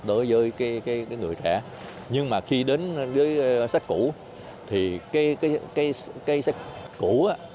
đối với cái người trẻ nhưng mà khi đến với sách cũ thì cây sách cũ